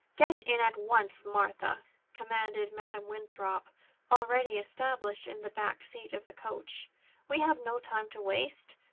"Get in at once, Martha!" commanded Madam Winthrop, already established in the back seat of the coach. "We have no time to waste.